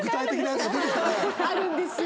あるんですよ。